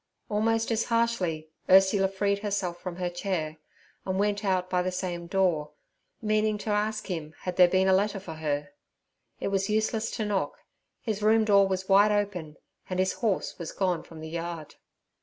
Almost as harshly Ursula freed herself from her chair, and went out by the same door, meaning to ask him had there been a letter for her. It was useless to knock, his room door was wide open and his horse was gone from the yard.